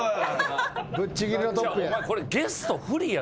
ぶっちぎりのトップや。